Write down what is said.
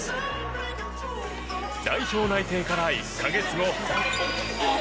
代表内定から１か月後。